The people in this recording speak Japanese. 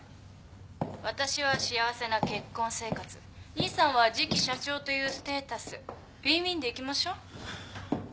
私は幸せな結婚生活兄さんは次期社長というステータスウィンウィンでいきましょ。